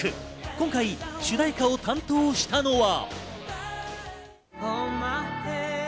今回、主題歌を担当したのは。